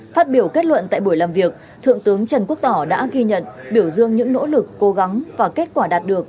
phát biểu kết luận tại buổi làm việc thượng tướng trần quốc tỏ đã ghi nhận biểu dương những nỗ lực cố gắng và kết quả đạt được